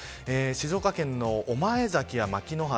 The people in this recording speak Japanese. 静岡県の御前崎や牧之原